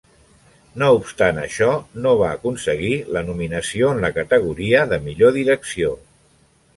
No obstant això, no va aconseguir la nominació en la categoria de millor direcció.